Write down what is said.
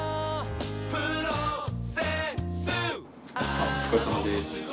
あっおつかれさまです。